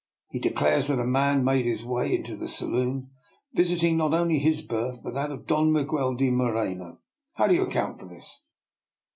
He declares that a man made his way into the saloon, visiting not only his berth, but that of Don Miguel de Moreno. How do you account for this?